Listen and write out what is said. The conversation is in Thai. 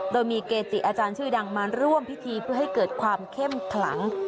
โดยมีเกจิอาจารย์ชื่อดังมาร่วมพิธีเพื่อให้เกิดความเข้มขลัง